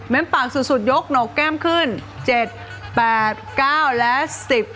เม้นปากสุดสุดยกหนกแก้มขึ้นเจ็ดแปดเก้าและสิบ